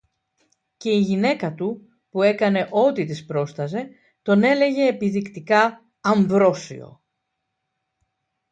Και η γυναίκα του, που έκανε ό,τι της πρόσταζε, τον έλεγε επιδεικτικά «Αμβρόσιο»